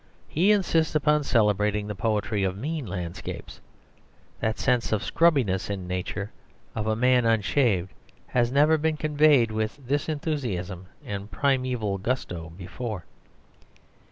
He insists upon celebrating the poetry of mean landscapes. That sense of scrubbiness in nature, as of a man unshaved, had never been conveyed with this enthusiasm and primeval gusto before.